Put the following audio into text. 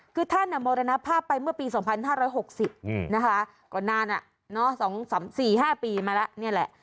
คือท่านอ่ะมรณภาพไปเมื่อปีสองพันห้าร้อยหกสิบนะคะก่อนนานอ่ะเนาะสองสามสี่ห้าปีมาแล้วเนี่ยแหละ